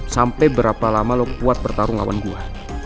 sampai berapa lama lo kuat bertarung lawan gua